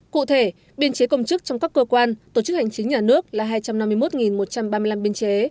cụ thể biên chế công chức trong các cơ quan tổ chức hành chính nhà nước là hai trăm năm mươi một một trăm ba mươi năm biên chế